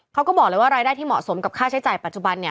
เขาก็บอกเลยว่ารายได้ที่เหมาะสมกับค่าใช้จ่ายปัจจุบันเนี่ย